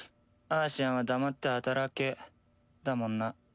「アーシアンは黙って働け」だもんな。